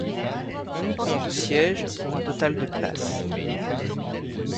On y compte sièges, pour un total de places.